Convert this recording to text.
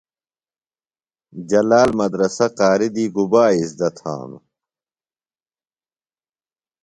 جلال مدرسہ قاریۡ دی گُبا اِزدہ تھانُوۡ؟